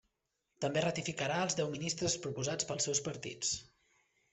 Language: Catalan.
També ratificà els deu ministres proposats pels seus partits.